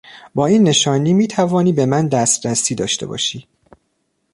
با این نشانی میتوانی به من دسترسی داشته باشی.